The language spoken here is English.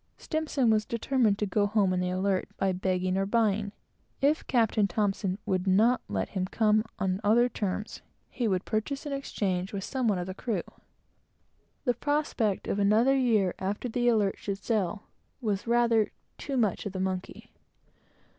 S was determined to go home on the Alert, by begging or buying; if Captain T would not let him come on other terms, he would purchase an exchange with some one of the crew. The prospect of another year after the Alert should sail, was rather "too much of the monkey."